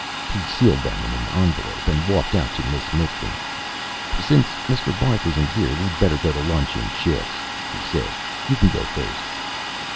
He sealed them in an envelope and walked out to Miss Mitkin. "Since Mr. Barth isn't here, we'd better go to lunch in shifts," he said. "You can go first."